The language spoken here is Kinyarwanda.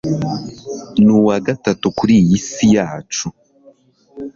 n'uwa gatatu kuri iyi si yacu